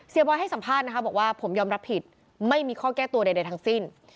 บอยให้สัมภาษณ์นะคะบอกว่าผมยอมรับผิดไม่มีข้อแก้ตัวใดทั้งสิ้น